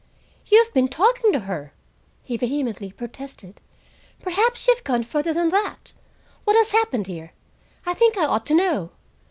"You have been talking to her," he vehemently protested. "Perhaps you have gone further than that. What has happened here? I think I ought to know.